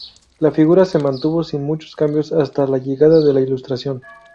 La figura se mantuvo sin muchos cambios hasta la llegada de la ilustración.